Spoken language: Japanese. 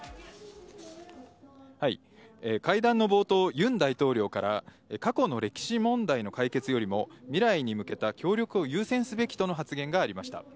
会談の冒頭、ユン大統領から、過去の歴史問題の解決よりも、未来に向けた協力を優先すべきとの発言がありました。